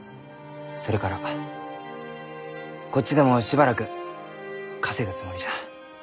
それからこっちでもしばらく稼ぐつもりじゃ。